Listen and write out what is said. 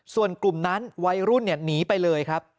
ส่วนกลุ่มนั้นวัยรุ่นหนีไปเลยครับ